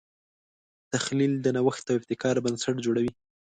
تخیل د نوښت او ابتکار بنسټ جوړوي.